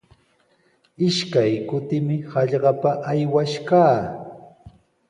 Ishkay kutimi hallqapa aywash kaa.